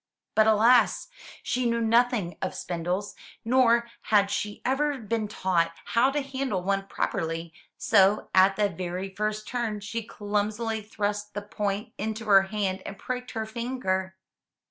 But alas! she knew nothing of spindles, nor had she ever been taught how to handle one properly, so at the very first turn, she clumsily thrust the point into her hand and pricked her finger.